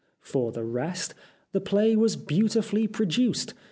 For the rest, the play was beautifully produced.